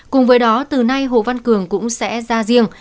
cùng với đó từ nay hồ văn cường cũng sẽ ra riêng